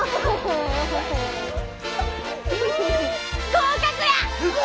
合格や！